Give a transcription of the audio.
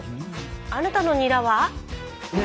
あなたのニラは？